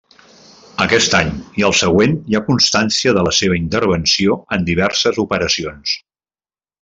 Aquest any i el següent hi ha constància de la seva intervenció en diverses operacions.